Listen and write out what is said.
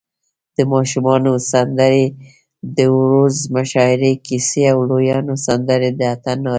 د ماشومانو سندرې، د وړو مشاعرې، کیسی، د لویانو سندرې، د اتڼ نارې